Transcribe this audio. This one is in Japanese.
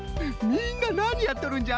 みんななにやっとるんじゃ？